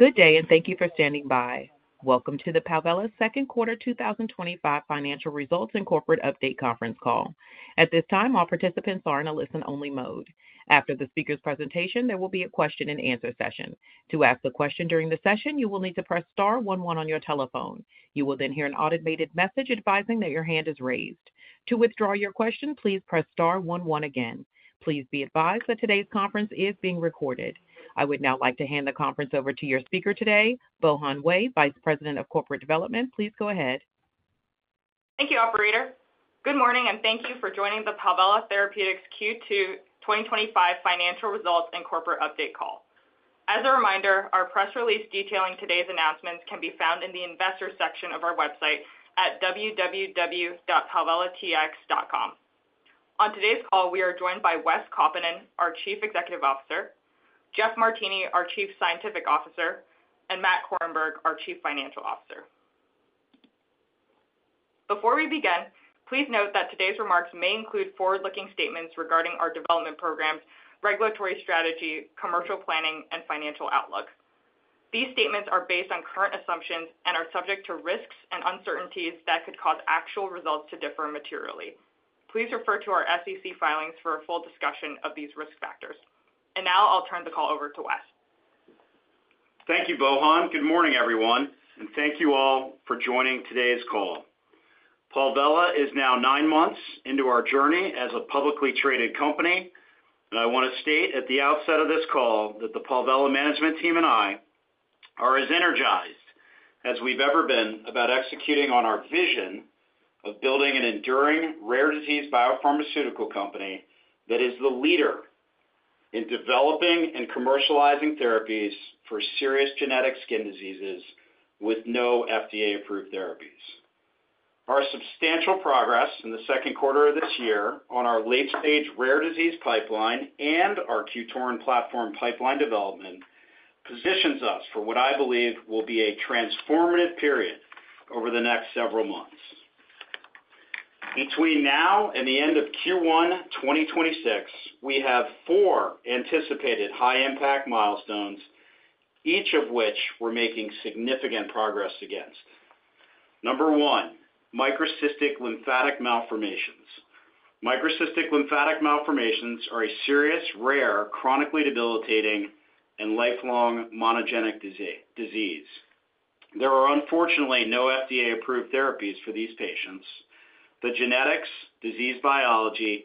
Good day and thank you for standing by. Welcome to the Palvella Therapeutics Second Quarter 2025 Financial Results and Corporate Update Conference Call. At this time, all participants are in a listen-only mode. After the speaker's presentation, there will be a question-and-answer session. To ask a question during the session, you will need to press *11 on your telephone. You will then hear an automated message advising that your hand is raised. To withdraw your question, please press *11 again. Please be advised that today's conference is being recorded. I would now like to hand the conference over to your speaker today, Bohan Wei, Vice President of Corporate Development. Please go ahead. Thank you, Operator. Good morning and thank you for joining the Palvella Therapeutics Q2 2025 Financial Results and Corporate Update Call. As a reminder, our press release detailing today's announcements can be found in the Investors section of our website at www.palvellatx.com. On today's call, we are joined by Wes Kaupinen, our Chief Executive Officer, Jeff Martini, our Chief Scientific Officer, and Matt Korenberg, our Chief Financial Officer. Before we begin, please note that today's remarks may include forward-looking statements regarding our development programs, regulatory strategy, commercial planning, and financial outlook. These statements are based on current assumptions and are subject to risks and uncertainties that could cause actual results to differ materially. Please refer to our SEC filings for a full discussion of these risk factors. I'll turn the call over to Wes. Thank you, Bohan. Good morning, everyone, and thank you all for joining today's call. Palvella is now nine months into our journey as a publicly traded company, and I want to state at the outset of this call that the Palvella management team and I are as energized as we've ever been about executing on our vision of building an enduring rare disease biopharmaceutical company that is the leader in developing and commercializing therapies for serious genetic skin diseases with no FDA-approved therapies. Our substantial progress in the second quarter of this year on our late-stage rare disease pipeline and our QTORIN platform pipeline development positions us for what I believe will be a transformative period over the next several months. Between now and the end of Q1 2026, we have four anticipated high-impact milestones, each of which we're making significant progress against. Number one, microcystic lymphatic malformations. Microcystic lymphatic malformations are a serious, rare, chronically debilitating, and lifelong monogenic disease. There are unfortunately no FDA-approved therapies for these patients. The genetics, disease biology,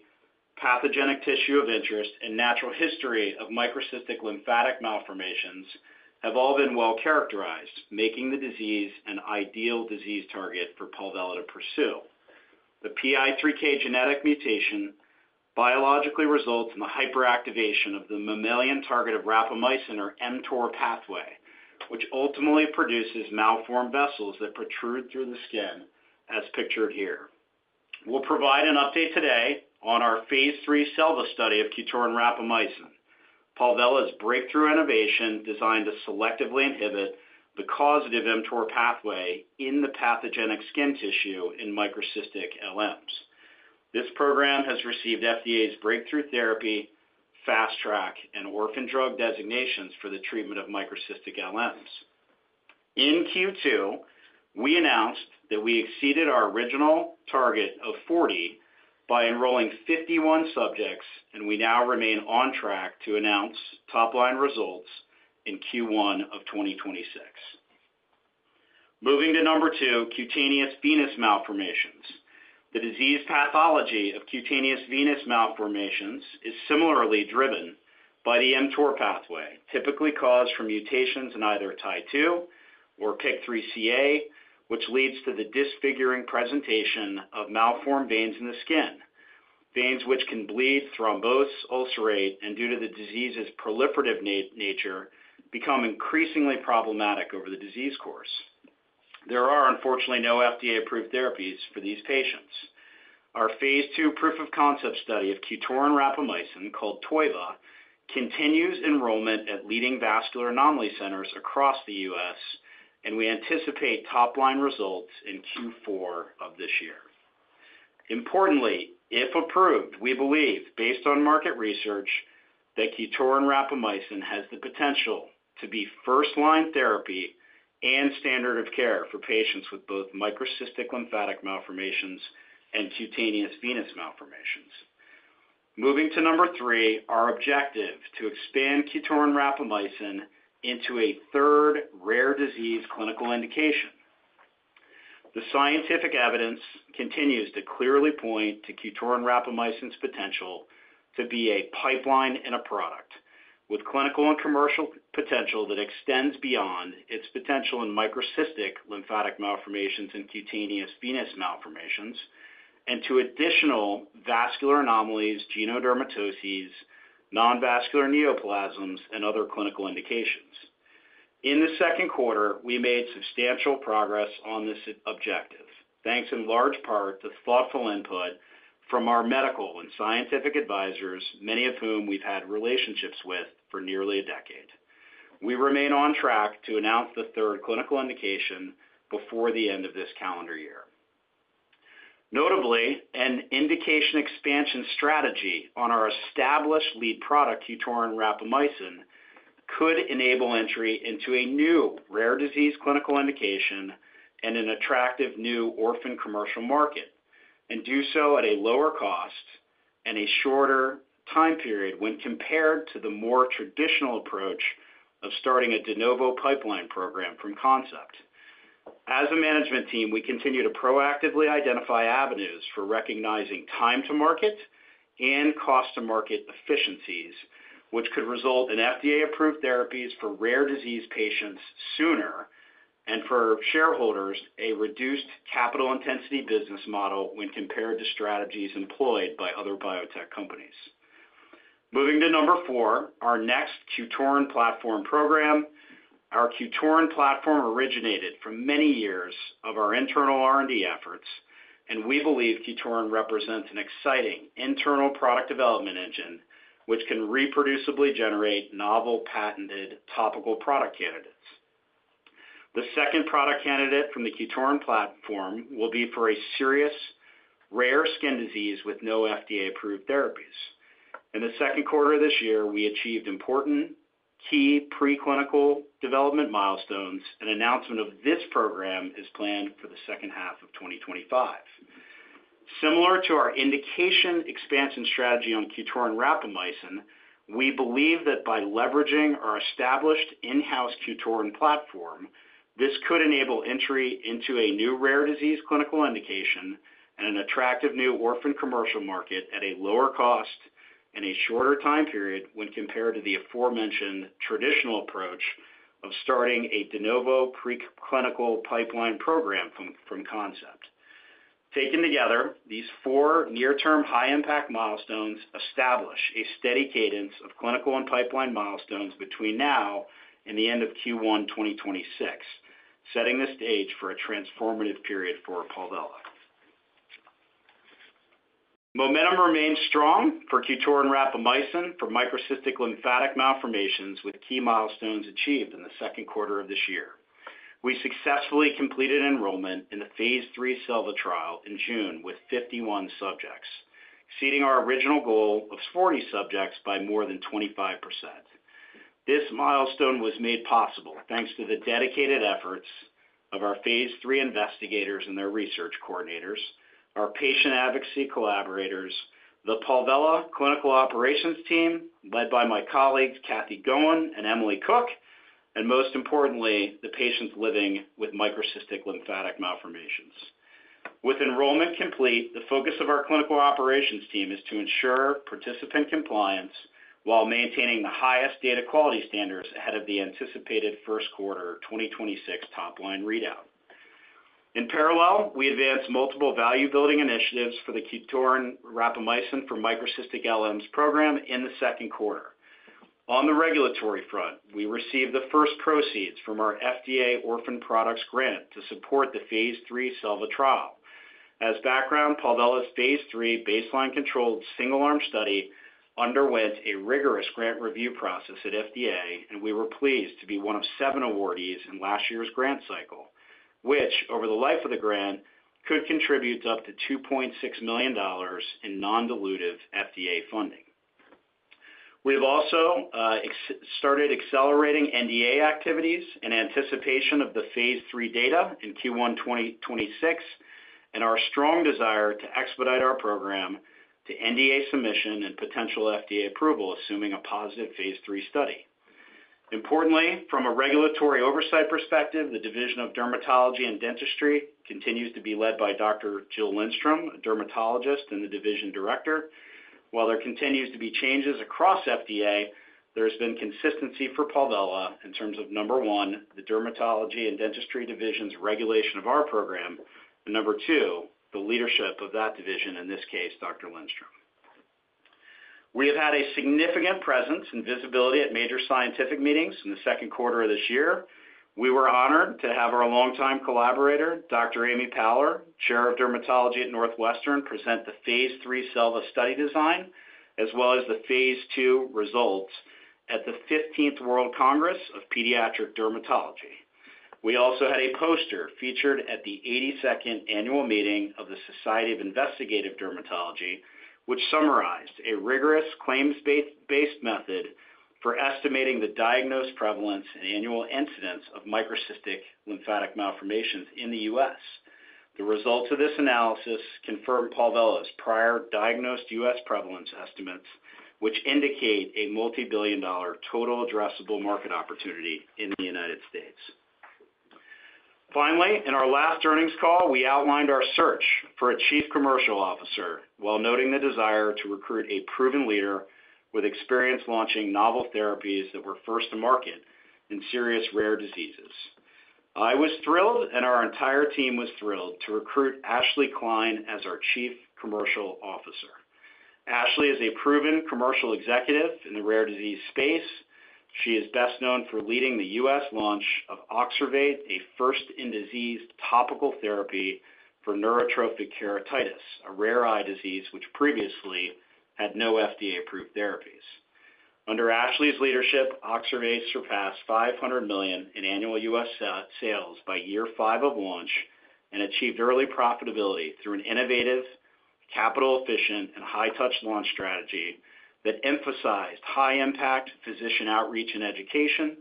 pathogenic tissue of interest, and natural history of microcystic lymphatic malformations have all been well characterized, making the disease an ideal disease target for Palvella to pursue. The PI3K genetic mutation biologically results in the hyperactivation of the mammalian target of rapamycin or mTOR pathway, which ultimately produces malformed vessels that protrude through the skin, as pictured here. We'll provide an update today on our phase 3 SELVA study of QTORIN™ rapamycin, Palvella's breakthrough innovation designed to selectively inhibit the causative mTOR pathway in the pathogenic skin tissue in microcystic LMs. This program has received FDA breakthrough therapy, fast track, and orphan drug designations for the treatment of microcystic LMs. In Q2, we announced that we exceeded our original target of 40 by enrolling 51 subjects, and we now remain on track to announce top-line results in Q1 of 2026. Moving to number two, cutaneous venous malformations. The disease pathology of cutaneous venous malformations is similarly driven by the mTOR pathway, typically caused from mutations in either TY2 or PIK3CA, which leads to the disfiguring presentation of malformed veins in the skin, veins which can bleed, thrombose, ulcerate, and due to the disease's proliferative nature, become increasingly problematic over the disease course. There are unfortunately no FDA-approved therapies for these patients. Our phase 2 proof of concept study of QTORIN™ rapamycin 3.9% anhydrous gel called TOIVA continues enrollment at leading vascular anomaly centers across the U.S., and we anticipate top-line results in Q4 of this year. Importantly, if approved, we believe, based on market research, that QTORIN™ rapamycin 3.9% anhydrous gel has the potential to be first-line therapy and standard of care for patients with both microcystic lymphatic malformations and cutaneous venous malformations. Moving to number three, our objective to expand QTORIN™ rapamycin 3.9% anhydrous gel into a third rare disease clinical indication. The scientific evidence continues to clearly point to QTORIN™ rapamycin 3.9% anhydrous gel's potential to be a pipeline in a product with clinical and commercial potential that extends beyond its potential in microcystic lymphatic malformations and cutaneous venous malformations and to additional vascular anomalies, genodermatoses, nonvascular neoplasms, and other clinical indications. In the second quarter, we made substantial progress on this objective, thanks in large part to thoughtful input from our medical and scientific advisors, many of whom we've had relationships with for nearly a decade. We remain on track to announce the third clinical indication before the end of this calendar year. Notably, an indication expansion strategy on our established lead product, QTORIN™ rapamycin 3.9% anhydrous gel, could enable entry into a new rare disease clinical indication and an attractive new orphan commercial market, and do so at a lower cost and a shorter time period when compared to the more traditional approach of starting a de novo pipeline program from concept. As a management team, we continue to proactively identify avenues for recognizing time-to-market and cost-to-market efficiencies, which could result in FDA-approved therapies for rare disease patients sooner and for shareholders a reduced capital intensity business model when compared to strategies employed by other biotech companies. Moving to number four, our next QTORIN™ platform program. Our QTORIN platform originated from many years of our internal R&D efforts, and we believe QTORIN represents an exciting internal product development engine which can reproducibly generate novel patented topical product candidates. The second product candidate from the QTORIN platform will be for a serious rare skin disease with no FDA-approved therapies. In the second quarter of this year, we achieved important key preclinical development milestones, and announcement of this program is planned for the second half of 2025. Similar to our indication expansion strategy on QTORIN rapamycin, we believe that by leveraging our established in-house QTORIN platform, this could enable entry into a new rare disease clinical indication and an attractive new orphan commercial market at a lower cost and a shorter time period when compared to the aforementioned traditional approach of starting a de novo preclinical pipeline program from concept. Taken together, these four near-term high-impact milestones establish a steady cadence of clinical and pipeline milestones between now and the end of Q1 2026, setting the stage for a transformative period for Palvella. Momentum remains strong for QTORIN rapamycin for microcystic lymphatic malformations with key milestones achieved in the second quarter of this year. We successfully completed enrollment in the phase 3 SELVA trial in June with 51 subjects, exceeding our original goal of 40 subjects by more than 25%. This milestone was made possible thanks to the dedicated efforts of our Phase 3 investigators and their research coordinators, our patient advocacy collaborators, the Palvella clinical operations team led by my colleagues Kathy Gowan and Emily Cook, and most importantly, the patients living with microcystic lymphatic malformations. With enrollment complete, the focus of our clinical operations team is to ensure participant compliance while maintaining the highest data quality standards ahead of the anticipated first quarter 2026 top-line readout. In parallel, we advance multiple value-building initiatives for the QTORIN rapamycin for microcystic LMs program in the second quarter. On the regulatory front, we received the first proceeds from our FDA orphan products grant to support the Phase 3 SELVA trial. As background, Palvella's Phase 3 baseline controlled single-arm study underwent a rigorous grant review process at FDA, and we were pleased to be one of seven awardees in last year's grant cycle, which over the life of the grant could contribute up to $2.6 million in non-dilutive FDA funding. We've also started accelerating NDA activities in anticipation of the Phase 3 data in Q1 2026 and our strong desire to expedite our program to NDA submission and potential FDA approval, assuming a positive Phase 3 study. Importantly, from a regulatory oversight perspective, the Division of Dermatology and Dentistry continues to be led by Dr. Jill Lindstrom, a dermatologist and the Division Director. While there continues to be changes across FDA, there's been consistency for Palvella in terms of, number one, the Dermatology and Dentistry Division's regulation of our program, and number two, the leadership of that division, in this case, Dr. Lindstrom. We have had a significant presence and visibility at major scientific meetings in the second quarter of this year. We were honored to have our longtime collaborator, Dr. Amy Paller, Chair of Dermatology at Northwestern, present the Phase 3 SELVA study design as well as the Phase 2 results at the 15th World Congress of Pediatric Dermatology. We also had a poster featured at the 82nd annual meeting of the Society of Investigative Dermatology, which summarized a rigorous claims-based method for estimating the diagnosed prevalence and annual incidence of microcystic lymphatic malformations in the U.S. The results of this analysis confirm Palvella's prior diagnosed U.S. prevalence estimates, which indicate a multibillion-dollar total addressable market opportunity in the United States. Finally, in our last earnings call, we outlined our search for a Chief Commercial Officer while noting the desire to recruit a proven leader with experience launching novel therapies that were first to market in serious rare diseases. I was thrilled, and our entire team was thrilled to recruit Ashley Klein as our Chief Commercial Officer. Ashley is a proven commercial executive in the rare disease space. She is best known for leading the U.S. launch of Oxervate, a first-in-disease topical therapy for neurotrophic keratitis, a rare eye disease which previously had no FDA-approved therapies. Under Ashley's leadership, Oxervate surpassed $500 million in annual U.S. sales by year five of launch and achieved early profitability through an innovative, capital-efficient, and high-touch launch strategy that emphasized high-impact physician outreach and education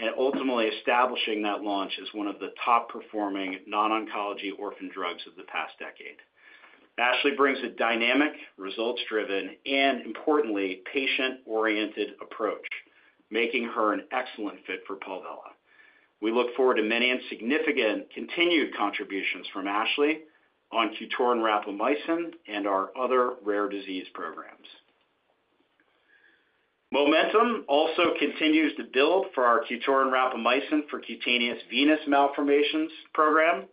and ultimately establishing that launch as one of the top-performing non-oncology orphan drugs of the past decade. Ashley brings a dynamic, results-driven, and importantly, patient-oriented approach, making her an excellent fit for Palvella. We look forward to many and significant continued contributions from Ashley on QTORIN™ rapamycin and our other rare disease programs. Momentum also continues to build for our QTORIN™ rapamycin for cutaneous venous malformations program.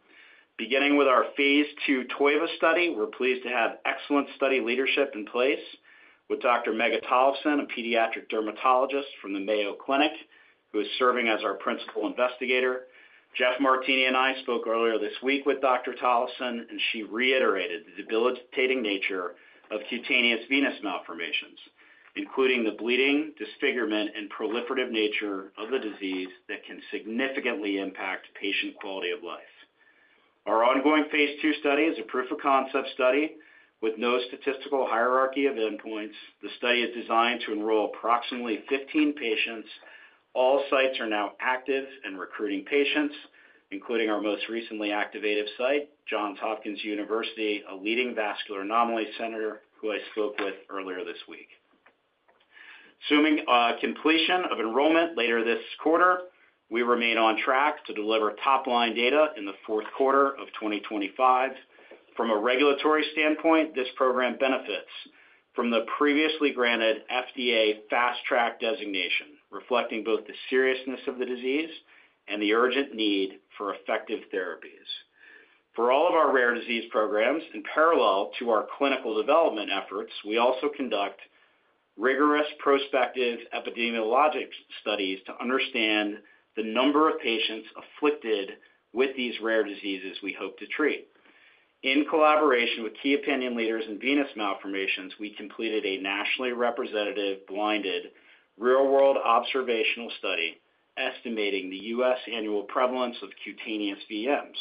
Beginning with our Phase 2 TOIVA study, we're pleased to have excellent study leadership in place with Dr. Megha Tollefson, a pediatric dermatologist from the Mayo Clinic, who is serving as our principal investigator. Jeff Martini and I spoke earlier this week with Dr. Tollefson, and she reiterated the debilitating nature of cutaneous venous malformations, including the bleeding, disfigurement, and proliferative nature of the disease that can significantly impact patient quality of life. Our ongoing Phase 2 study is a proof of concept study with no statistical hierarchy of endpoints. The study is designed to enroll approximately 15 patients. All sites are now active and recruiting patients, including our most recently activated site, Johns Hopkins University, a leading vascular anomaly center who I spoke with earlier this week. Assuming completion of enrollment later this quarter, we remain on track to deliver top-line data in the fourth quarter of 2025. From a regulatory standpoint, this program benefits from the previously granted FDA fast track designation, reflecting both the seriousness of the disease and the urgent need for effective therapies. For all of our rare disease programs, in parallel to our clinical development efforts, we also conduct rigorous prospective epidemiologic studies to understand the number of patients afflicted with these rare diseases we hope to treat. In collaboration with key opinion leaders in venous malformations, we completed a nationally representative blinded real-world observational study estimating the U.S. annual prevalence of cutaneous VMs.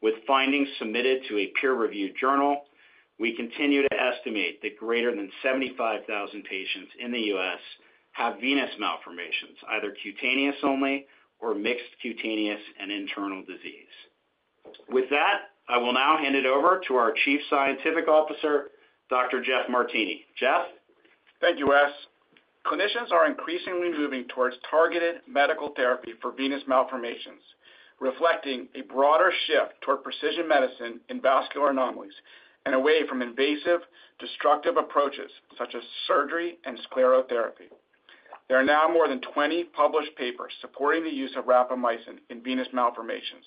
With findings submitted to a peer-reviewed journal, we continue to estimate that greater than 75,000 patients in the U.S. have venous malformations, either cutaneous only or mixed cutaneous and internal disease. With that, I will now hand it over to our Chief Scientific Officer, Dr. Jeff Martini. Jeff? Thank you, Wes. Clinicians are increasingly moving towards targeted medical therapy for venous malformations, reflecting a broader shift toward precision medicine in vascular anomalies and away from invasive, destructive approaches such as surgery and sclerotherapy. There are now more than 20 published papers supporting the use of rapamycin in venous malformations,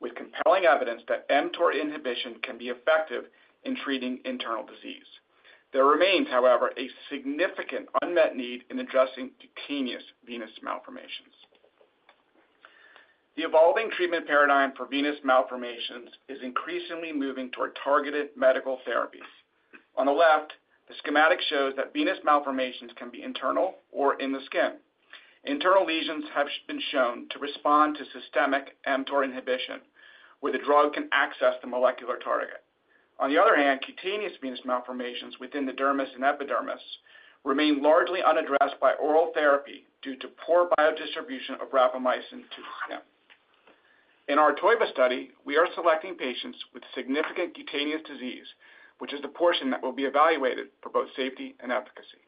with compelling evidence that mTOR inhibition can be effective in treating internal disease. There remains, however, a significant unmet need in addressing cutaneous venous malformations. The evolving treatment paradigm for venous malformations is increasingly moving toward targeted medical therapies. On the left, the schematic shows that venous malformations can be internal or in the skin. Internal lesions have been shown to respond to systemic mTOR inhibition, where the drug can access the molecular target. On the other hand, cutaneous venous malformations within the dermis and epidermis remain largely unaddressed by oral therapy due to poor biodistribution of rapamycin to the skin. In our TOIVA study, we are selecting patients with significant cutaneous disease, which is the portion that will be evaluated for both safety and efficacy.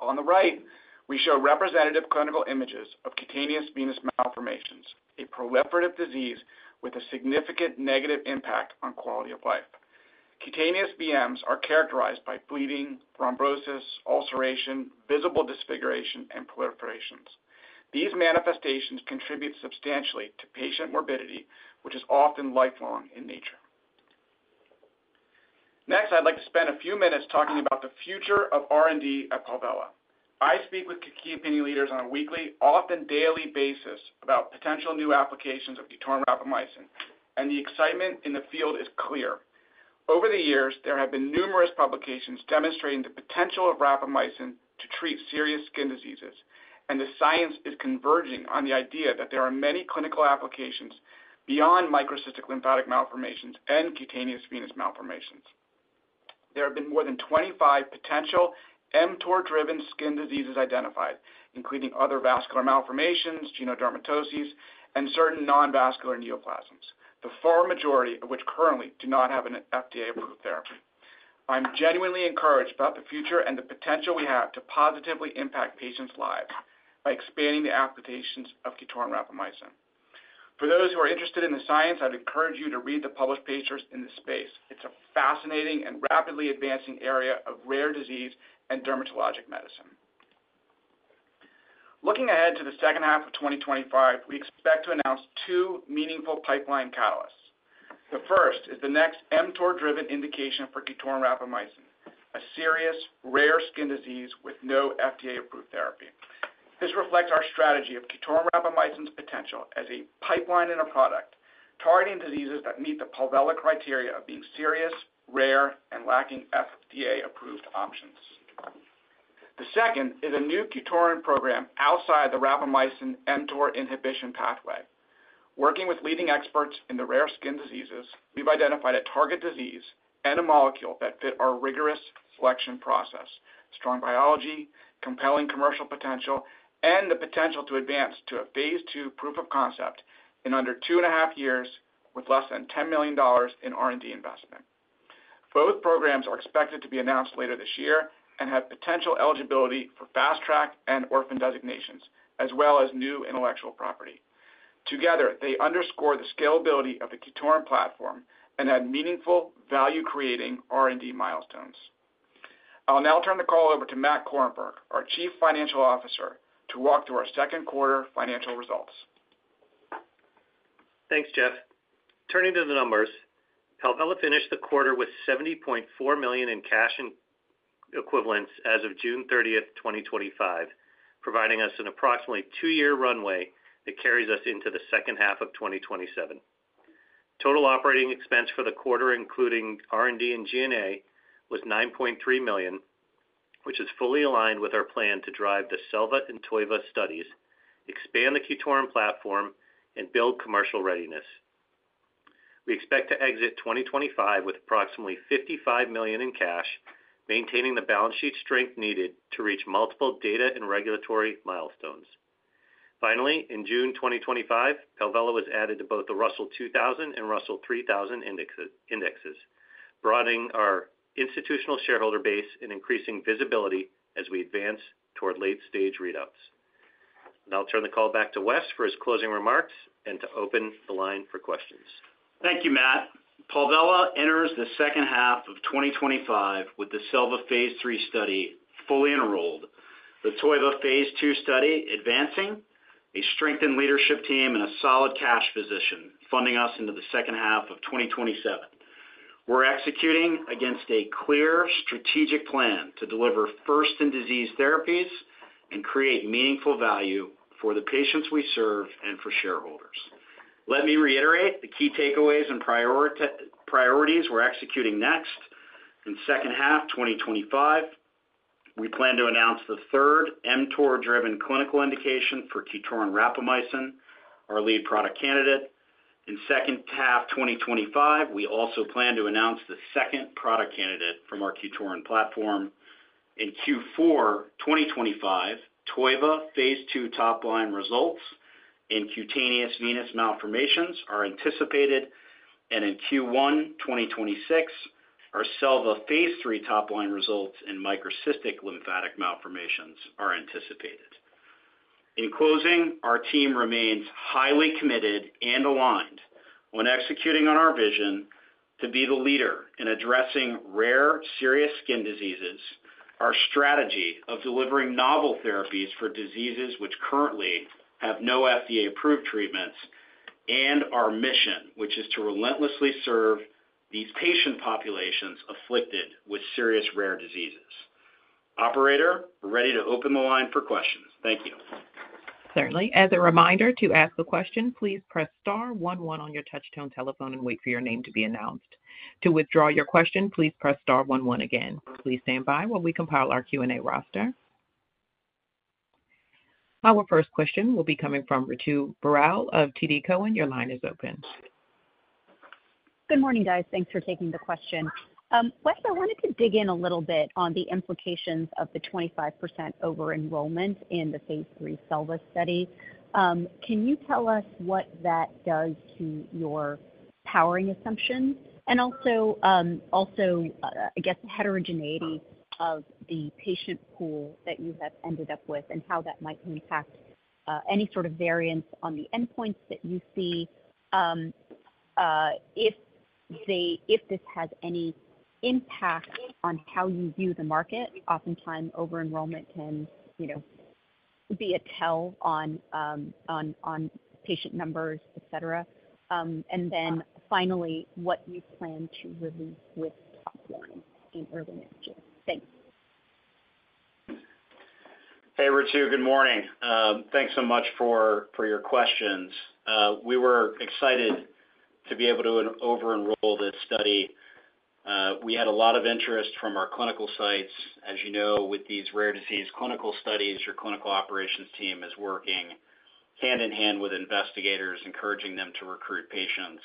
On the right, we show representative clinical images of cutaneous venous malformations, a proliferative disease with a significant negative impact on quality of life. Cutaneous VMs are characterized by bleeding, thrombosis, ulceration, visible disfiguration, and proliferations. These manifestations contribute substantially to patient morbidity, which is often lifelong in nature. Next, I'd like to spend a few minutes talking about the future of R&D at Palvella. I speak with key opinion leaders on a weekly, often daily basis, about potential new applications of QTORIN™ rapamycin, and the excitement in the field is clear. Over the years, there have been numerous publications demonstrating the potential of rapamycin to treat serious skin diseases, and the science is converging on the idea that there are many clinical applications beyond microcystic lymphatic malformations and cutaneous venous malformations. There have been more than 25 potential mTOR-driven skin diseases identified, including other vascular malformations, genodermatoses, and certain nonvascular neoplasms, the far majority of which currently do not have an FDA-approved therapy. I'm genuinely encouraged about the future and the potential we have to positively impact patients' lives by expanding the applications of QTORIN™ rapamycin. For those who are interested in the science, I'd encourage you to read the published papers in this space. It's a fascinating and rapidly advancing area of rare disease and dermatologic medicine. Looking ahead to the second half of 2025, we expect to announce two meaningful pipeline catalysts. The first is the next mTOR-driven indication for QTORIN™ rapamycin, a serious rare skin disease with no FDA-approved therapy. This reflects our strategy of QTORIN™ rapamycin's potential as a pipeline in a product targeting diseases that meet the Palvella criteria of being serious, rare, and lacking FDA-approved options. The second is a new QTORIN™ program outside the rapamycin mTOR inhibition pathway. Working with leading experts in the rare skin diseases, we've identified a target disease and a molecule that fit our rigorous selection process, strong biology, compelling commercial potential, and the potential to advance to a Phase 2 proof of concept in under two and a half years with less than $10 million in R&D investment. Both programs are expected to be announced later this year and have potential eligibility for fast track and orphan designations, as well as new intellectual property. Together, they underscore the scalability of the QTORIN™ platform and add meaningful value-creating R&D milestones. I'll now turn the call over to Matt Korenberg, our Chief Financial Officer, to walk through our second quarter financial results. Thanks, Jeff. Turning to the numbers, Palvella finished the quarter with $70.4 million in cash equivalents as of June 30, 2025, providing us an approximately two-year runway that carries us into the second half of 2027. Total operating expense for the quarter, including R&D and G&A, was $9.3 million, which is fully aligned with our plan to drive the SELVA and TOIVA studies, expand the QTORIN platform, and build commercial readiness. We expect to exit 2025 with approximately $55 million in cash, maintaining the balance sheet strength needed to reach multiple data and regulatory milestones. In June 2025, Palvella was added to both the Russell 2000 and Russell 3000 indexes, broadening our institutional shareholder base and increasing visibility as we advance toward late-stage readouts. I'll turn the call back to Wes for his closing remarks and to open the line for questions. Thank you, Matt. Palvella enters the second half of 2025 with the SELVA Phase 3 study fully enrolled, the TOIVA Phase 2 study advancing, a strengthened leadership team, and a solid cash position, funding us into the second half of 2027. We're executing against a clear strategic plan to deliver first-in-disease therapies and create meaningful value for the patients we serve and for shareholders. Let me reiterate the key takeaways and priorities we're executing next. In the second half of 2025, we plan to announce the third mTOR-driven clinical indication for QTORIN rapamycin, our lead product candidate. In the second half of 2025, we also plan to announce the second product candidate from our QTORIN platform. In Q4 2025, TOIVA Phase 2 top-line results in cutaneous venous malformations are anticipated, and in Q1 2026, our SELVA Phase 3 top-line results in microcystic lymphatic malformations are anticipated. In closing, our team remains highly committed and aligned when executing on our vision to be the leader in addressing rare serious skin diseases, our strategy of delivering novel therapies for diseases which currently have no FDA-approved treatments, and our mission, which is to relentlessly serve these patient populations afflicted with serious rare diseases. Operator, ready to open the line for questions. Thank you. Certainly. As a reminder, to ask a question, please press *11 on your touch-tone telephone and wait for your name to be announced. To withdraw your question, please press *11 again. Please stand by while we compile our Q&A roster. Our first question will be coming from Ritu Baral of TD Cowen. Your line is open. Good morning, guys. Thanks for taking the question. Wes, I wanted to dig in a little bit on the implications of the 25% over-enrollment in the Phase 3 SELVA study. Can you tell us what that does to your powering assumption? Also, I guess, the heterogeneity of the patient pool that you have ended up with and how that might impact any sort of variance on the endpoints that you see if this has any impact on how you view the market. Oftentimes, over-enrollment can be a tell on patient numbers, etc. Finally, what you plan to release with top line in early next year. Thanks. Hey, Ritu. Good morning. Thanks so much for your questions. We were excited to be able to over-enroll this study. We had a lot of interest from our clinical sites. As you know, with these rare disease clinical studies, your clinical operations team is working hand in hand with investigators, encouraging them to recruit patients.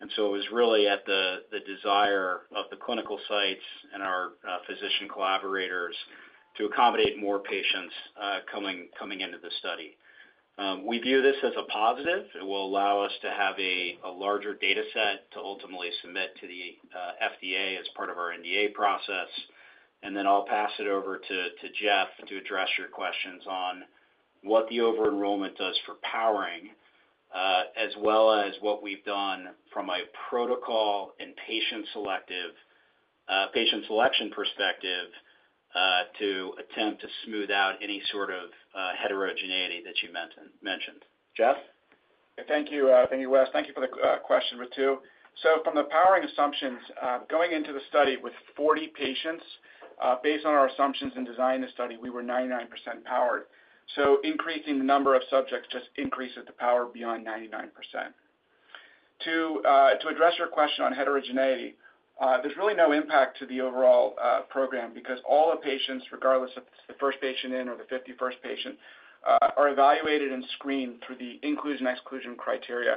It was really at the desire of the clinical sites and our physician collaborators to accommodate more patients coming into the study. We view this as a positive. It will allow us to have a larger data set to ultimately submit to the FDA as part of our NDA process. I'll pass it over to Jeff to address your questions on what the over-enrollment does for powering, as well as what we've done from a protocol and patient selection perspective to attempt to smooth out any sort of heterogeneity that you mentioned. Jeff? Thank you. Thank you, Wes. Thank you for the question, Ritu. From the powering assumptions, going into the study with 40 patients, based on our assumptions and design of the study, we were 99% powered. Increasing the number of subjects just increases the power beyond 99%. To address your question on heterogeneity, there's really no impact to the overall program because all the patients, regardless of the first patient in or the 51st patient, are evaluated and screened through the inclusion-exclusion criteria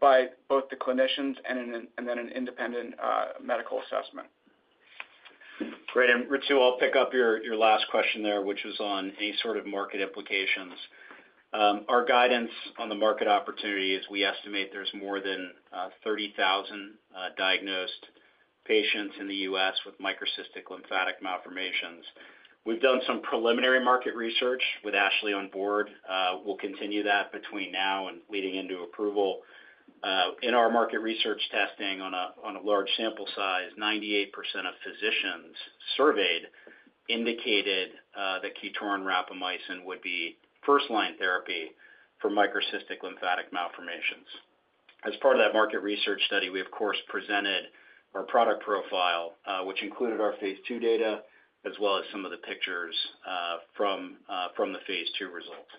by both the clinicians and then an independent medical assessment. Great. Ritu, I'll pick up your last question there, which is on any sort of market implications. Our guidance on the market opportunity is we estimate there's more than 30,000 diagnosed patients in the U.S. with microcystic lymphatic malformations. We've done some preliminary market research with Ashley on board. We'll continue that between now and leading into approval. In our market research testing on a large sample size, 98% of physicians surveyed indicated that QTORIN™ rapamycin 3.9% anhydrous gel would be first-line therapy for microcystic lymphatic malformations. As part of that market research study, we, of course, presented our product profile, which included our Phase 2 data, as well as some of the pictures from the Phase 2 results.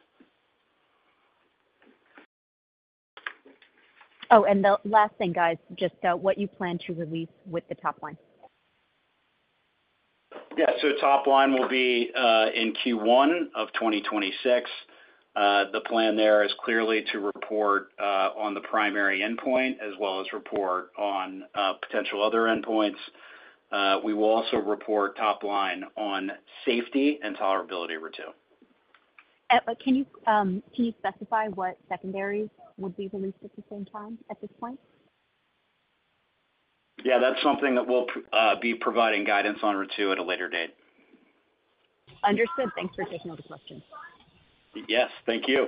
Oh, the last thing, just what you plan to release with the top line. Yeah. Top line will be in Q1 of 2026. The plan there is clearly to report on the primary endpoint as well as report on potential other endpoints. We will also report top line on safety and tolerability, Ritu. Can you specify what secondary would be released at the same time at this point? Yeah, that's something that we'll be providing guidance on, Ritu, at a later date. Understood. Thanks for taking all the questions. Yes, thank you.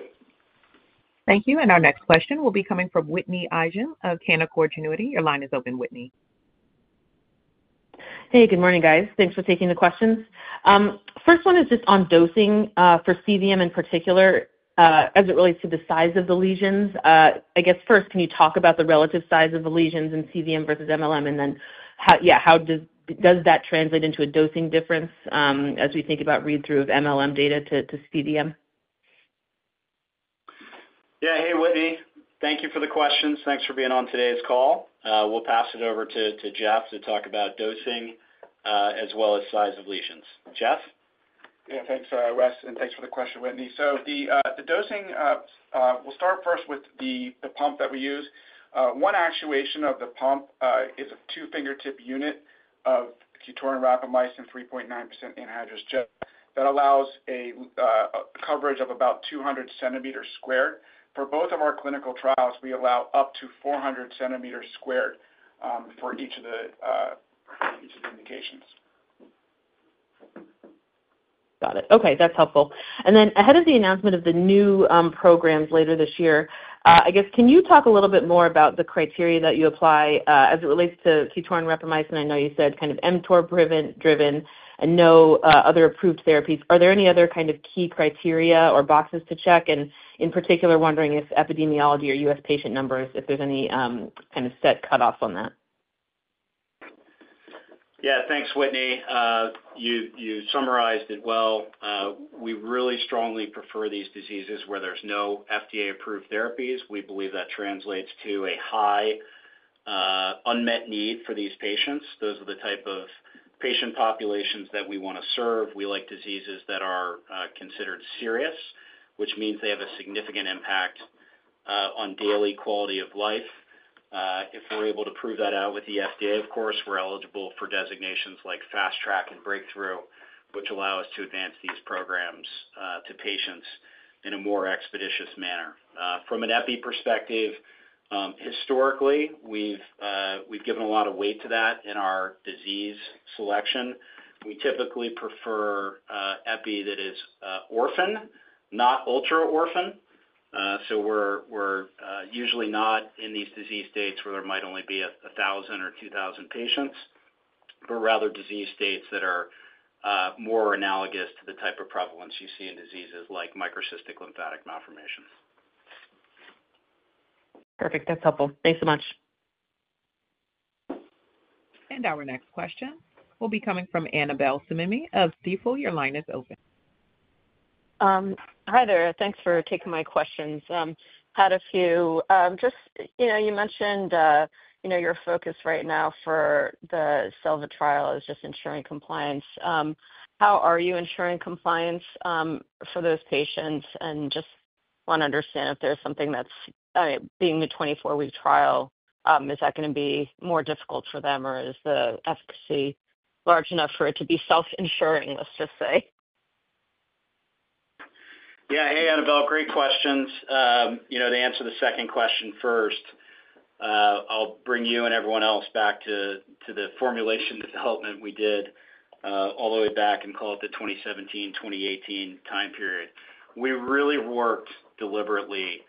Thank you. Our next question will be coming from Whitney Ijem of Canaccord Genuity. Your line is open, Whitney. Hey, good morning, guys. Thanks for taking the questions. First one is just on dosing for CVM in particular as it relates to the size of the lesions. I guess first, can you talk about the relative size of the lesions in CVM versus MLM? How does that translate into a dosing difference as we think about read-through of MLM data to CVM? Yeah. Hey, Whitney. Thank you for the questions. Thanks for being on today's call. We'll pass it over to Jeff to talk about dosing as well as size of lesions. Jeff? Yeah, thanks, Wes, and thanks for the question, Whitney. The dosing, we'll start first with the pump that we use. One actuation of the pump is a two-fingertip unit of QTORIN™ rapamycin 3.9% anhydrous gel that allows a coverage of about 200 centimeters squared. For both of our clinical trials, we allow up to 400 centimeters squared for each of the indications. Got it. Okay. That's helpful. Ahead of the announcement of the new programs later this year, I guess, can you talk a little bit more about the criteria that you apply as it relates to QTORIN™ rapamycin 3.9% anhydrous gel? I know you said kind of mTOR-driven and no other approved therapies. Are there any other kind of key criteria or boxes to check? In particular, wondering if epidemiology or U.S. patient numbers, if there's any kind of set cutoff on that. Yeah. Thanks, Whitney. You summarized it well. We really strongly prefer these diseases where there's no FDA-approved therapies. We believe that translates to a high unmet need for these patients. Those are the type of patient populations that we want to serve. We like diseases that are considered serious, which means they have a significant impact on daily quality of life. If we're able to prove that out with the FDA, of course, we're eligible for designations like fast track and breakthrough, which allow us to advance these programs to patients in a more expeditious manner. From an EPI perspective, historically, we've given a lot of weight to that in our disease selection. We typically prefer EPI that is orphan, not ultra-orphan. We're usually not in these disease states where there might only be 1,000 or 2,000 patients, but rather disease states that are more analogous to the type of prevalence you see in diseases like microcystic lymphatic malformations. Perfect. That's helpful. Thanks so much. Our next question will be coming from Annabelle Samimy of Stifel. Your line is open. Hi there. Thanks for taking my questions. I had a few. You mentioned your focus right now for the SELVA trial is just ensuring compliance. How are you ensuring compliance for those patients? I just want to understand if there's something that's being the 24-week trial, is that going to be more difficult for them, or is the efficacy large enough for it to be self-insuring, let's just say? Yeah. Hey, Annabelle. Great questions. To answer the second question first, I'll bring you and everyone else back to the formulation development we did all the way back in the 2017-2018 time period. We really worked deliberately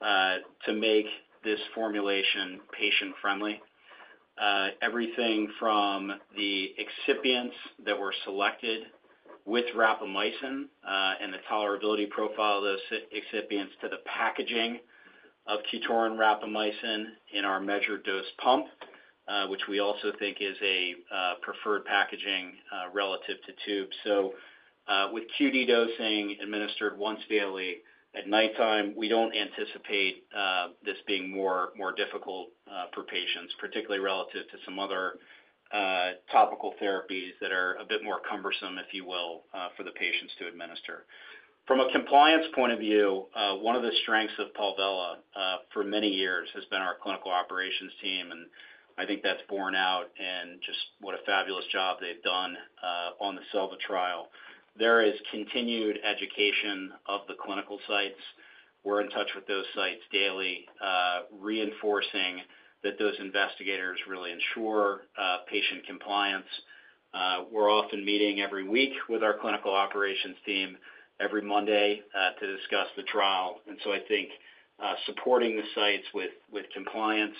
to make this formulation patient-friendly. Everything from the excipients that were selected with rapamycin and the tolerability profile of those excipients to the packaging of QTORIN™ rapamycin 3.9% anhydrous gel in our measured dose pump, which we also think is a preferred packaging relative to tubes. With QD dosing administered once daily at nighttime, we don't anticipate this being more difficult for patients, particularly relative to some other topical therapies that are a bit more cumbersome, if you will, for the patients to administer. From a compliance point of view, one of the strengths of Palvella Therapeutics for many years has been our clinical operations team. I think that's borne out in just what a fabulous job they've done on the SELVA trial. There is continued education of the clinical sites. We're in touch with those sites daily, reinforcing that those investigators really ensure patient compliance. We're often meeting every week with our clinical operations team every Monday to discuss the trial. I think supporting the sites with compliance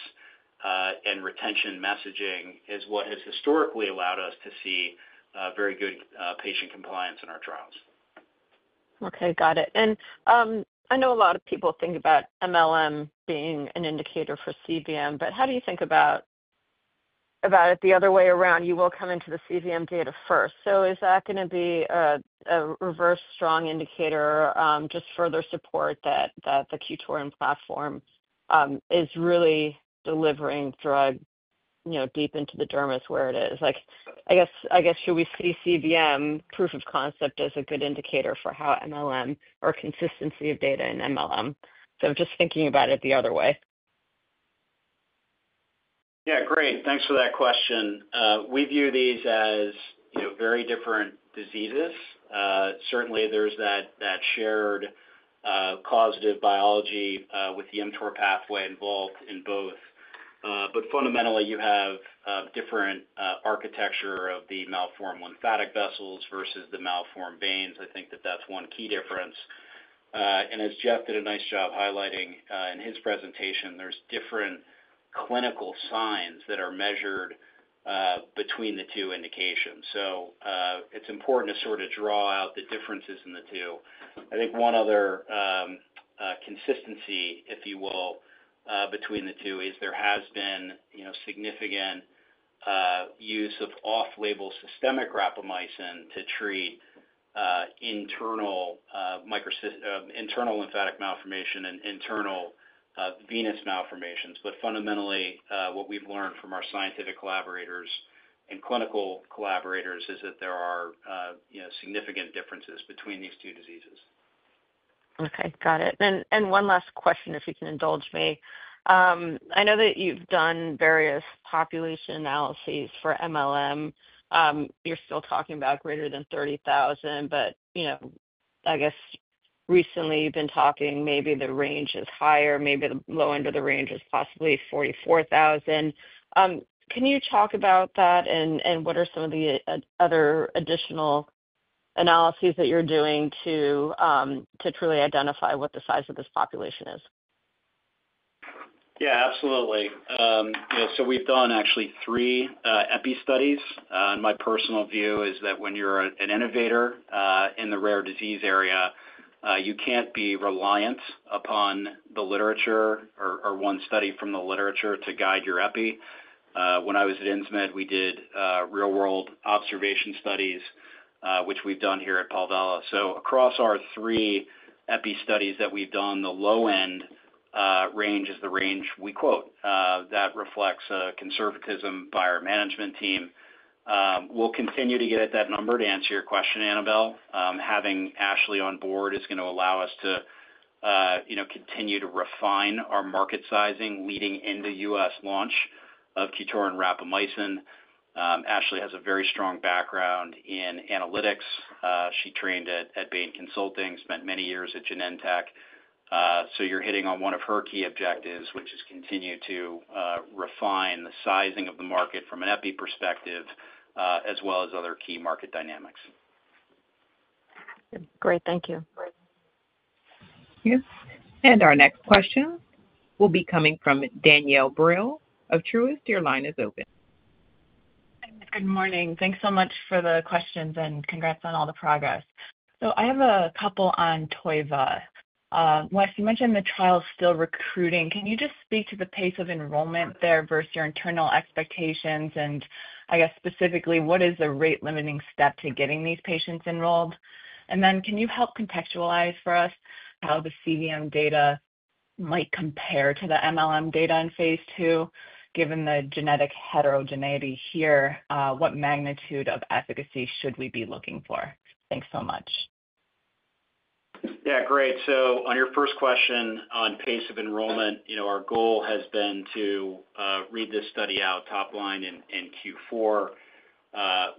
and retention messaging is what has historically allowed us to see very good patient compliance in our trials. Okay. Got it. I know a lot of people think about MLM being an indicator for CVM, but how do you think about it the other way around? You will come into the CVM data first. Is that going to be a reverse strong indicator, just further support that the QTORIN™ platform is really delivering drug, you know, deep into the dermis where it is? I guess should we see CVM proof of concept as a good indicator for how MLM or consistency of data in MLM? I'm just thinking about it the other way. Yeah. Great. Thanks for that question. We view these as, you know, very different diseases. Certainly, there's that shared causative biology with the mTOR pathway involved in both. Fundamentally, you have a different architecture of the malformed lymphatic vessels versus the malformed veins. I think that that's one key difference. As Jeff did a nice job highlighting in his presentation, there's different clinical signs that are measured between the two indications. It's important to sort of draw out the differences in the two. I think one other consistency, if you will, between the two is there has been, you know, significant use of off-label systemic rapamycin to treat internal lymphatic malformation and internal venous malformations. Fundamentally, what we've learned from our scientific collaborators and clinical collaborators is that there are, you know, significant differences between these two diseases. Okay. Got it. One last question, if you can indulge me. I know that you've done various population analyses for MLM. You're still talking about greater than 30,000, but I guess recently you've been talking maybe the range is higher, maybe the low end of the range is possibly 44,000. Can you talk about that and what are some of the other additional analyses that you're doing to truly identify what the size of this population is? Yeah, absolutely. You know, we've done actually three EPI studies. My personal view is that when you're an innovator in the rare disease area, you can't be reliant upon the literature or one study from the literature to guide your EPI. When I was at InzMed, we did real-world observation studies, which we've done here at Palvella. Across our three EPI studies that we've done, the low-end range is the range we quote. That reflects conservatism by our management team. We'll continue to get at that number to answer your question, Annabelle. Having Ashley on board is going to allow us to continue to refine our market sizing leading into the U.S. launch of QTORIN™ rapamycin 3.9% anhydrous gel. Ashley has a very strong background in analytics. She trained at Bain Consulting, spent many years at Genentech. You're hitting on one of her key objectives, which is to continue to refine the sizing of the market from an EPI perspective, as well as other key market dynamics. Great. Thank you. Yes. Our next question will be coming from Danielle Brill of Truist. Your line is open. Good morning. Thanks so much for the questions and congrats on all the progress. I have a couple on TOIVA. Wes, you mentioned the trial is still recruiting. Can you just speak to the pace of enrollment there versus your internal expectations? Specifically, what is the rate-limiting step to getting these patients enrolled? Can you help contextualize for us how the CVM data might compare to the MLM data in Phase 2? Given the genetic heterogeneity here, what magnitude of efficacy should we be looking for? Thanks so much. Yeah, great. On your first question on pace of enrollment, our goal has been to read this study out top line in Q4.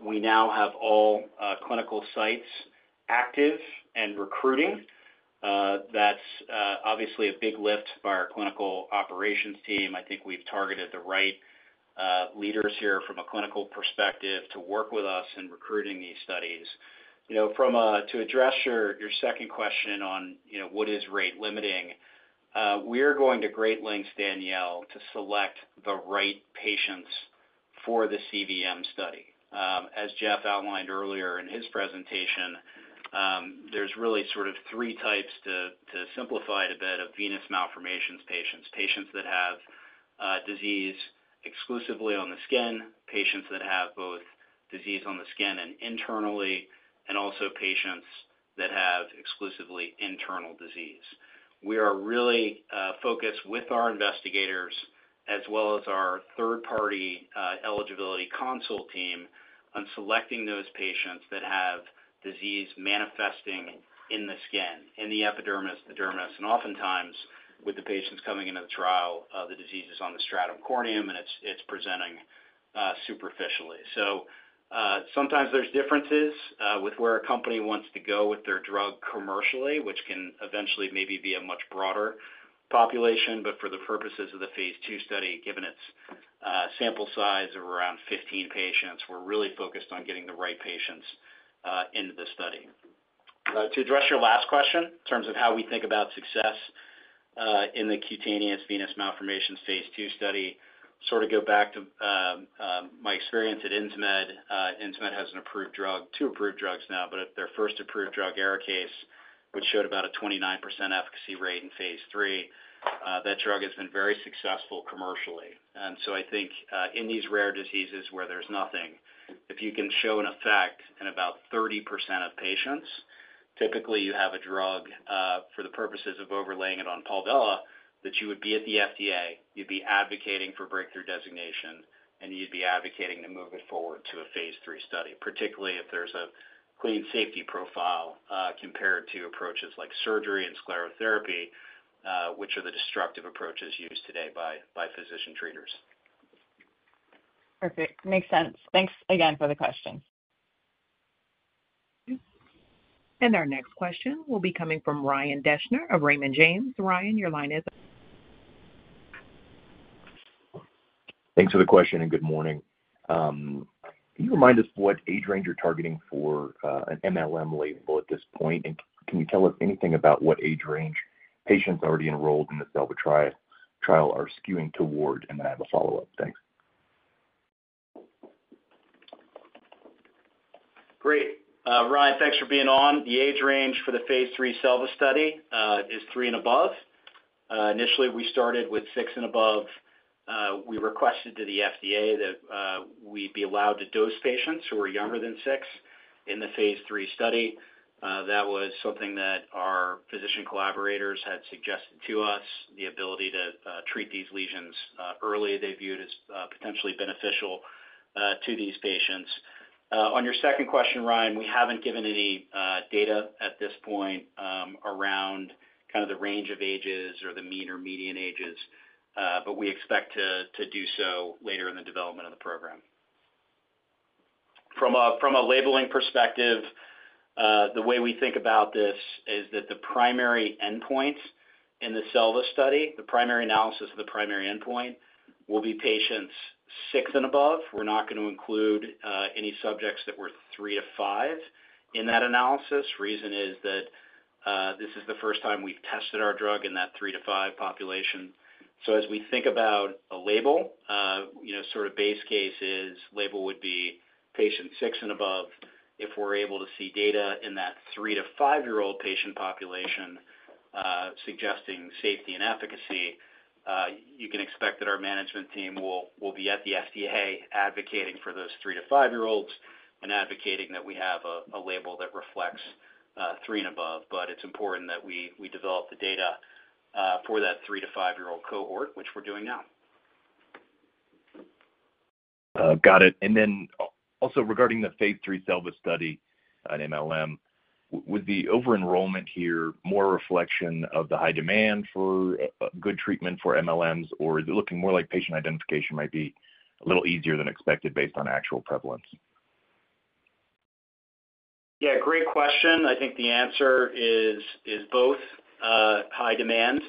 We now have all clinical sites active and recruiting. That's obviously a big lift by our Clinical Operations team. I think we've targeted the right leaders here from a clinical perspective to work with us in recruiting these studies. To address your second question on what is rate limiting, we are going to great lengths, Danielle, to select the right patients for the CVM study. As Jeff outlined earlier in his presentation, there's really sort of three types, to simplify it a bit, of venous malformations patients: patients that have disease exclusively on the skin, patients that have both disease on the skin and internally, and also patients that have exclusively internal disease. We are really focused with our investigators as well as our third-party eligibility consult team on selecting those patients that have disease manifesting in the skin, in the epidermis, the dermis. Oftentimes, with the patients coming into the trial, the disease is on the stratum corneum and it's presenting superficially. Sometimes there's differences with where a company wants to go with their drug commercially, which can eventually maybe be a much broader population. For the purposes of the Phase 2 study, given its sample size of around 15 patients, we're really focused on getting the right patients into the study. To address your last question in terms of how we think about success in the cutaneous venous malformations Phase 2 study, sort of go back to my experience at InzMed. InzMed has an approved drug, two approved drugs now, but their first approved drug, EraCase, which showed about a 29% efficacy rate in Phase 3. That drug has been very successful commercially. I think in these rare diseases where there's nothing, if you can show an effect in about 30% of patients, typically you have a drug for the purposes of overlaying it on Palvella that you would be at the FDA, you'd be advocating for breakthrough designation, and you'd be advocating to move it forward to a Phase 3 study, particularly if there's a clean safety profile compared to approaches like surgery and sclerotherapy, which are the destructive approaches used today by physician treaters. Perfect. Makes sense. Thanks again for the question. Our next question will be coming from Ryan Deschner of Raymond James. Ryan, your line is open. Thanks for the question and good morning. Can you remind us what age range you're targeting for an MLM label at this point? Can you tell us anything about what age range patients already enrolled in the SELVA trial are skewing toward? I have a follow-up. Thanks. Great. Ryan, thanks for being on. The age range for the phase 3 SELVA study is three and above. Initially, we started with six and above. We requested to the FDA that we be allowed to dose patients who are younger than six in the Phase 3 study. That was something that our physician collaborators had suggested to us, the ability to treat these lesions early. They viewed as potentially beneficial to these patients. On your second question, Ryan, we haven't given any data at this point around kind of the range of ages or the mean or median ages, but we expect to do so later in the development of the program. From a labeling perspective, the way we think about this is that the primary endpoints in the SELVA study, the primary analysis of the primary endpoint, will be patients six and above. We're not going to include any subjects that were three to five in that analysis. The reason is that this is the first time we've tested our drug in that three to five population. As we think about a label, you know, sort of base case is label would be patient six and above. If we're able to see data in that three to five-year-old patient population suggesting safety and efficacy, you can expect that our management team will be at the FDA advocating for those three to five-year-olds and advocating that we have a label that reflects three and above. It's important that we develop the data for that three to five-year-old cohort, which we're doing now. Got it. Regarding the Phase 3 SELVA trial in MLM, would the over-enrollment here be more a reflection of the high demand for good treatment for MLMs, or is it looking more like patient identification might be a little easier than expected based on actual prevalence? Yeah, great question. I think the answer is both high demand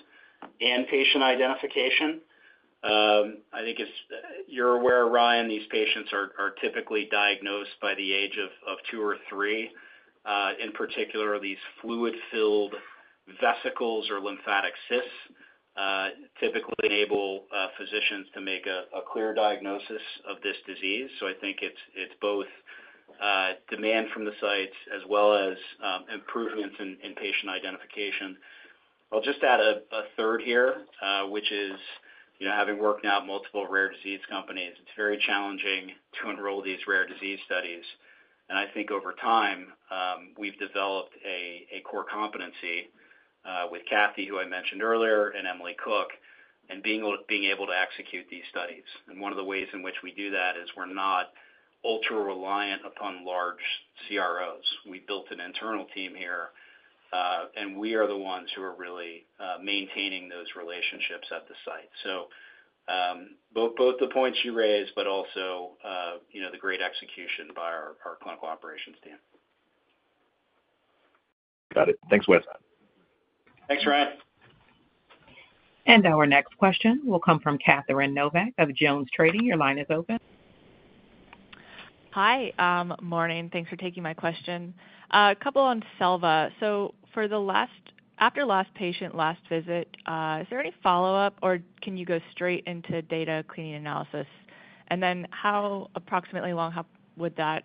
and patient identification. I think, as you're aware, Ryan, these patients are typically diagnosed by the age of two or three. In particular, these fluid-filled vesicles or lymphatic cysts typically enable physicians to make a clear diagnosis of this disease. I think it's both demand from the sites as well as improvements in patient identification. I'll just add a third here, which is having worked now at multiple rare disease companies, it's very challenging to enroll these rare disease studies. I think over time, we've developed a core competency with Kathy, who I mentioned earlier, and Emily Cook, and being able to execute these studies. One of the ways in which we do that is we're not ultra-reliant upon large CROs. We built an internal team here, and we are the ones who are really maintaining those relationships at the site. Both the points you raised, but also the great execution by our clinical operations team. Got it. Thanks, Wes. Thanks, Ryan. Our next question will come from Catherine Novak of JonesTrading. Your line is open. Hi. Morning. Thanks for taking my question. A couple on SELVA. After last patient last visit, is there any follow-up, or can you go straight into data cleaning analysis? How approximately long would that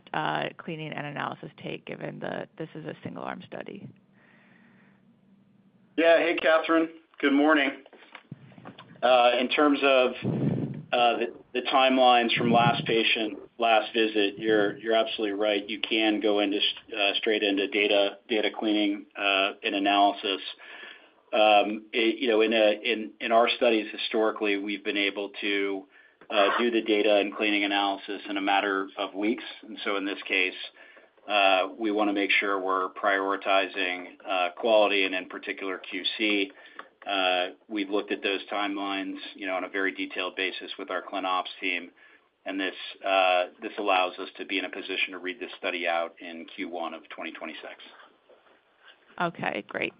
cleaning and analysis take given that this is a single-arm study? Yeah. Hey, Catherine. Good morning. In terms of the timelines from last patient last visit, you're absolutely right. You can go straight into data cleaning and analysis. In our studies historically, we've been able to do the data and cleaning analysis in a matter of weeks. In this case, we want to make sure we're prioritizing quality and in particular QC. We've looked at those timelines on a very detailed basis with our clinops team. This allows us to be in a position to read this study out in Q1 of 2026. Okay. Great.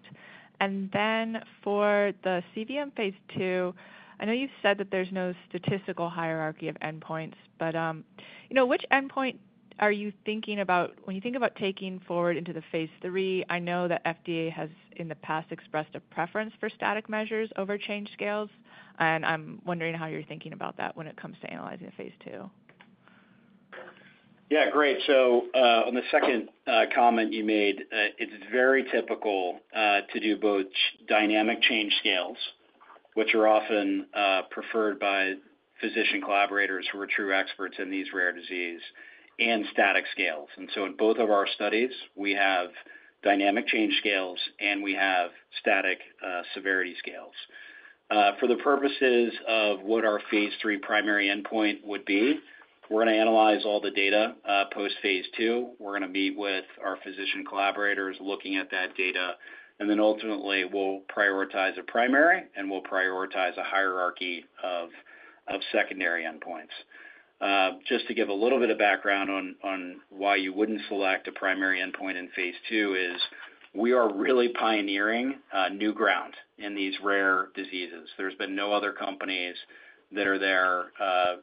For the CVM Phase 2, I know you've said that there's no statistical hierarchy of endpoints, but you know, which endpoint are you thinking about when you think about taking forward into the Phase 3? I know that FDA has in the past expressed a preference for static measures over change scales. I'm wondering how you're thinking about that when it comes to analyzing a Phase 2. Yeah, great. On the second comment you made, it's very typical to do both dynamic change scales, which are often preferred by physician collaborators who are true experts in these rare diseases, and static scales. In both of our studies, we have dynamic change scales and we have static severity scales. For the purposes of what our phase three primary endpoint would be, we're going to analyze all the data post-Phase 2. We're going to meet with our physician collaborators looking at that data. Ultimately, we'll prioritize a primary and we'll prioritize a hierarchy of secondary endpoints. Just to give a little bit of background on why you wouldn't select a primary endpoint in phase two is we are really pioneering new ground in these rare diseases. There's been no other companies that are there,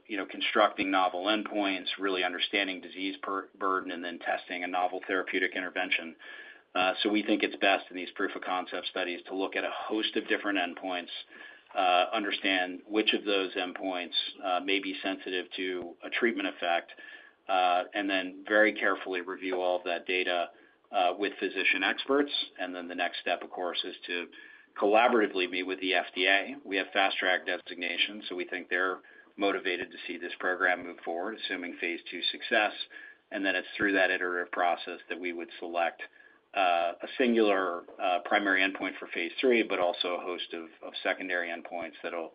you know, constructing novel endpoints, really understanding disease burden, and then testing a novel therapeutic intervention. We think it's best in these proof of concept studies to look at a host of different endpoints, understand which of those endpoints may be sensitive to a treatment effect, and then very carefully review all of that data with physician experts. The next step, of course, is to collaboratively meet with the FDA. We have fast track designations, so we think they're motivated to see this program move forward, assuming phase two success. It's through that iterative process that we would select a singular primary endpoint for phase three, but also a host of secondary endpoints that will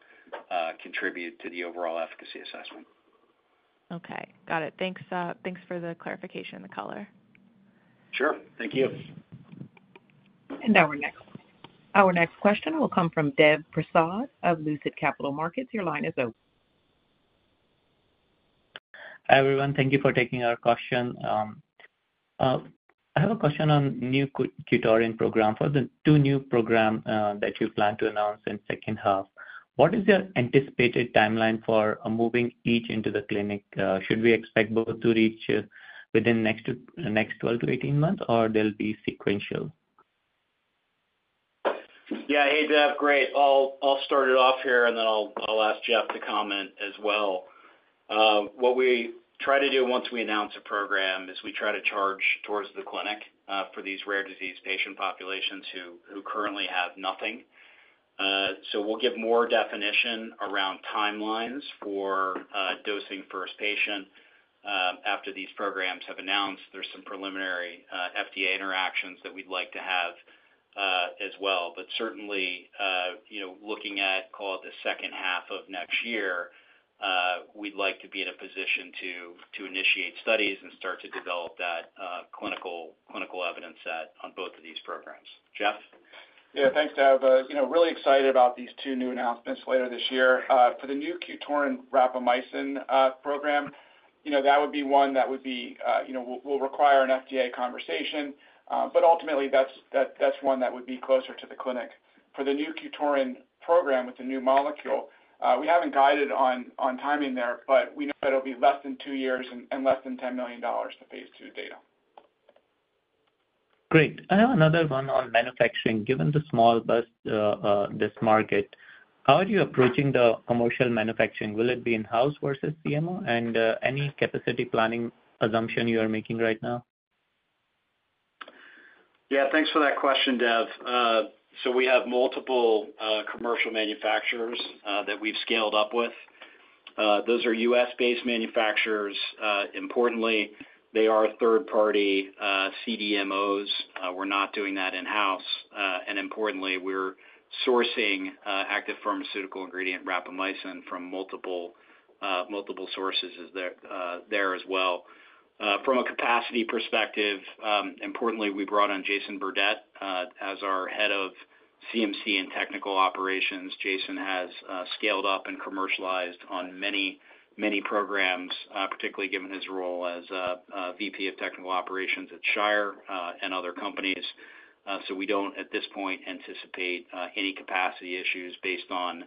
contribute to the overall efficacy assessment. Okay. Got it. Thanks. Thanks for the clarification and the color. Sure, thank you. Our next question will come from Dev Prasad of Lucid Capital Markets. Your line is open. Hi, everyone. Thank you for taking our question. I have a question on the new QTORIN™ program. For the two new programs that you plan to announce in the second half, what is your anticipated timeline for moving each into the clinic? Should we expect both to reach within the next 12months-18 months, or they'll be sequential? Yeah, hey, Dev. Great. I'll start it off here, and then I'll ask Jeff to comment as well. What we try to do once we announce a program is we try to charge towards the clinic for these rare disease patient populations who currently have nothing. We'll give more definition around timelines for dosing first patient after these programs have announced. There are some preliminary FDA interactions that we'd like to have as well. Certainly, you know, looking at, call it, the second half of next year, we'd like to be in a position to initiate studies and start to develop that clinical evidence set on both of these programs. Jeff? Yeah. Thanks, Dev. Really excited about these two new announcements later this year. For the new QTORIN™ rapamycin program, that would be one that will require an FDA conversation. Ultimately, that's one that would be closer to the clinic. For the new QTORIN™ program with the new molecule, we haven't guided on timing there, but we know it'll be less than two years and less than $10 million to Phase 2 data. Great. I have another one on manufacturing. Given the small bust of this market, how are you approaching the commercial manufacturing? Will it be in-house versus CMO? Any capacity planning assumption you are making right now? Yeah. Thanks for that question, Dev. We have multiple commercial manufacturers that we've scaled up with. Those are U.S.-based manufacturers. Importantly, they are third-party CDMOs. We're not doing that in-house. Importantly, we're sourcing active pharmaceutical ingredient rapamycin from multiple sources there as well. From a capacity perspective, we brought on Jason Burdette as our Head of CMC and Technical Operations. Jason has scaled up and commercialized on many, many programs, particularly given his role as Vice President of Technical Operations at Shire and other companies. We don't, at this point, anticipate any capacity issues based on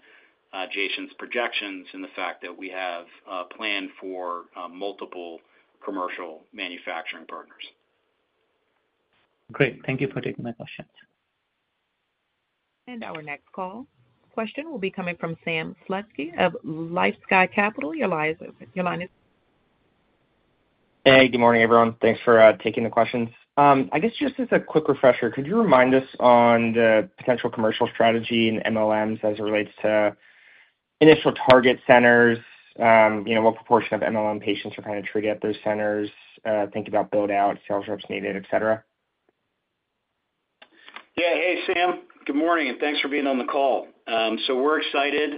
Jason's projections and the fact that we have a plan for multiple commercial manufacturing partners. Great. Thank you for taking my question. Our next call question will be coming from Sam Slutsky of LifeSci Capital. Your line is open. Hey, good morning, everyone. Thanks for taking the questions. I guess just as a quick refresher, could you remind us on the potential commercial strategy in MLMs as it relates to initial target centers? You know, what proportion of MLM patients are kind of treated at those centers? Think about build-out, sales reps needed, etc. Yeah. Hey, Sam. Good morning, and thanks for being on the call. We're excited,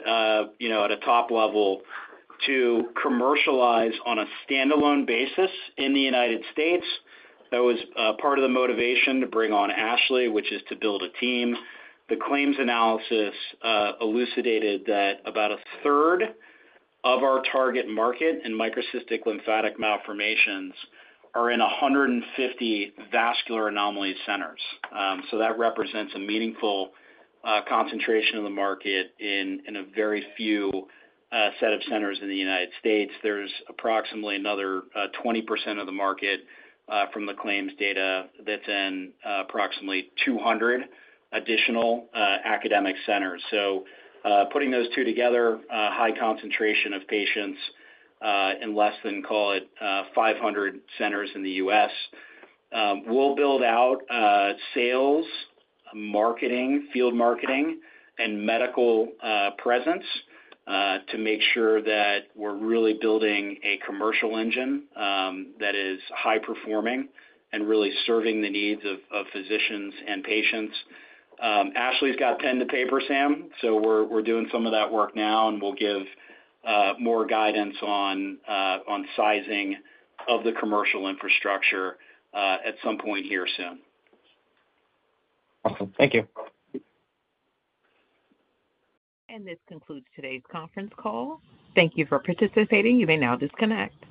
you know, at a top level to commercialize on a standalone basis in the United States. That was part of the motivation to bring on Ashley, which is to build a team. The claims analysis elucidated that about a third of our target market in microcystic lymphatic malformations are in 150 vascular anomaly centers. That represents a meaningful concentration of the market in a very few set of centers in the United States. There's approximately another 20% of the market from the claims data that's in approximately 200 additional academic centers. Putting those two together, a high concentration of patients in less than, call it, 500 centers in the U.S. We'll build out sales, marketing, field marketing, and medical presence to make sure that we're really building a commercial engine that is high-performing and really serving the needs of physicians and patients. Ashley's got pen to paper, Sam. We're doing some of that work now, and we'll give more guidance on sizing of the commercial infrastructure at some point here soon. Awesome. Thank you. This concludes today's conference call. Thank you for participating. You may now disconnect.